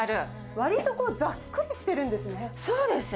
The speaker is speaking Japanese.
わりとこう、ざっくりしてるそうですね。